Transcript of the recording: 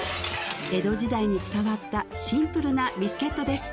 江戸時代に伝わったシンプルなビスケットです